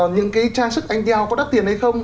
những cái trang sức anh tel có đắt tiền hay không